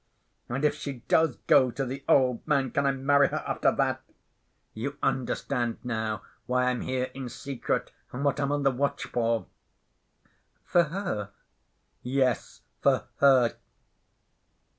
And if she does go to the old man, can I marry her after that? You understand now why I'm here in secret and what I'm on the watch for." "For her?" "Yes, for her.